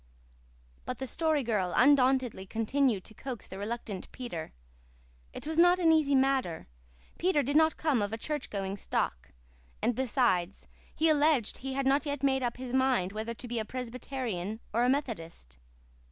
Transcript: But the Story Girl undauntedly continued to coax the reluctant Peter. It was not an easy matter. Peter did not come of a churchgoing stock; and besides, he alleged, he had not yet made up his mind whether to be a Presbyterian or a Methodist.